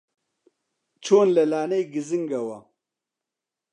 چۆن لە لانەی گزنگەوە